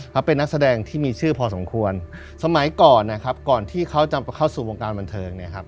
เขาเป็นนักแสดงที่มีชื่อพอสมควรสมัยก่อนนะครับก่อนที่เขาจะเข้าสู่วงการบันเทิงเนี่ยครับ